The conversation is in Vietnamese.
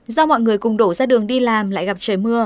do mọi người cùng đổ ra đường đi làm lại gặp trời mưa